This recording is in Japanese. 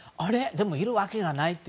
でもいるわけがないと。